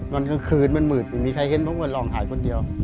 กลางคืนมันมืดไม่มีใครเห็นเพราะว่าลองหายคนเดียว